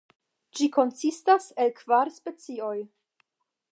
Ĝi konsistas el kvar specioj.